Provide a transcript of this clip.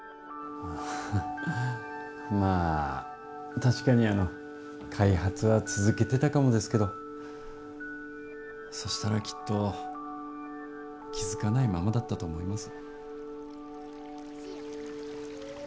まあ確かに、あの開発は続けてたかもですけどそしたら、きっと気付かないままだったと思います。